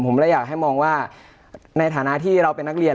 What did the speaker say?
ผมเลยอยากให้มองว่าในฐานะที่เราเป็นนักเรียน